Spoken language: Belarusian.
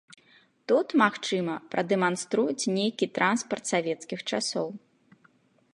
Тут, магчыма, прадэманструюць нейкі транспарт савецкіх часоў.